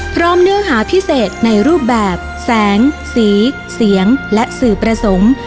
เนื้อหาพิเศษในรูปแบบแสงสีเสียงและสื่อประสงค์